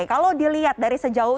kalau dilihat dari sejauhnya